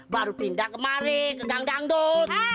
baru pindah kemari ke kang dangdut